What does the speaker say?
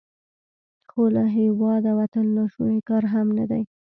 خو له هیواده وتل ناشوني کار هم نه دی.